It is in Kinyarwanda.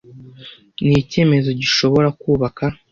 Ni icyemezo gishobora kubaka